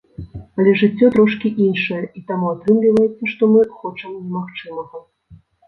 Але жыццё трошкі іншае, і таму атрымліваецца, што мы хочам немагчымага.